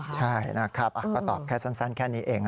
ใช่นะครับก็ตอบแค่สั้นแค่นี้เอง